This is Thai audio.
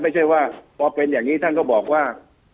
ไม่ใช่ว่าพอเป็นอย่างนี้ท่านก็บอกว่า